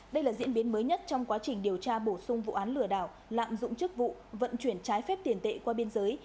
đây là diễn biến mới nhất trong quá trình điều tra bổ sung vụ án lừa đảo lạm dụng chức vụ vận chuyển trái phép tiền tệ qua biên giới